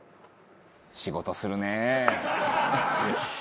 「仕事するね！」